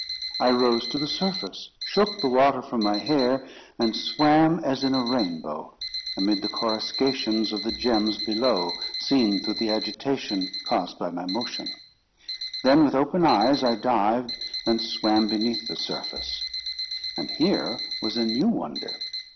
I rose to the surface, shook the water from my hair, and swam as in a rainbow, amid the coruscations of the gems below seen through the agitation caused by my motion. Then, with open eyes, I dived, and swam beneath the surface. And here was a new wonder.